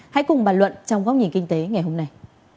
hãy cùng bàn luận trong góc nhìn kinh tế ngày hôm nay